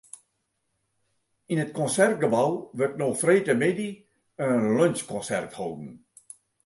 Yn it Konsertgebou wurdt no freedtemiddei in lunsjkonsert holden.